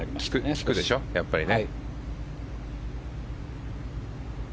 効くでしょ、やっぱりね。